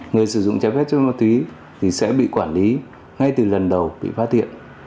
người sử dụng trái phép chất ma túy thì sẽ bị quản lý ngay từ lần đầu bị phát hiện